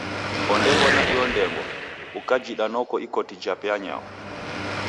Ondaw'ona iyo ndengwa, ukajida noko ikoti jape anyaho.